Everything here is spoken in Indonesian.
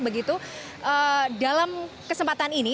begitu dalam kesempatan ini